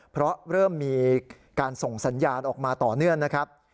เพราะเริ่มมีการส่งสัญญาณออกมาต่อเนื่องนะครับ